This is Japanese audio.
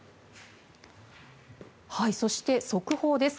そして、速報です。